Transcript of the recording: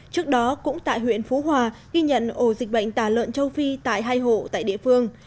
trước đó cũng tại huyện phú hòa ghi nhận ổ dịch bệnh tả lợn châu phi tại hai hộ tại địa phương